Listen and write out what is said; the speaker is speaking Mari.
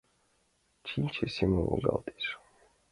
Чинче семын волгалтеш.